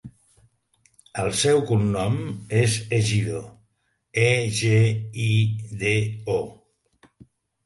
El seu cognom és Egido: e, ge, i, de, o.